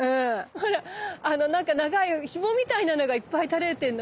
ほらなんか長いひもみたいなのがいっぱい垂れてるの見えない？